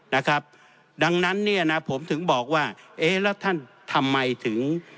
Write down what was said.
นะครับดังนั้นเนี่ยนะผมถึงบอกว่าเอ๊ะแล้วท่านทำไมถึง